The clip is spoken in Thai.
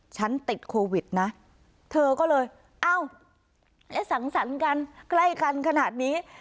ฉันติดโควิดนะเธอก็เลยเอ้าและสังสรรค์กันใกล้กันขนาดนี้